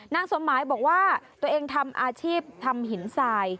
สมหมายบอกว่าตัวเองทำอาชีพทำหินทราย